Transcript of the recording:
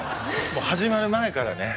始まる前からね。